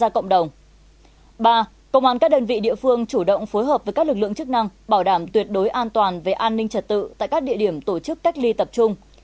ba công an các đơn vị địa phương chủ động phối hợp với các lực lượng chức năng bảo đảm tuyệt đối an toàn về an ninh trật tự tại các địa điểm tổ chức cách ly tập trung